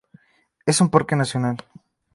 Es un parque nacional.